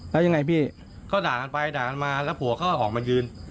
แล้วยังไงพี่ก็ด่ากันไปด่ากันมาแล้วผัวเขาก็ออกมายืน